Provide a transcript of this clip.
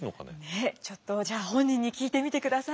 ねえちょっとじゃあ本人に聞いてみてください。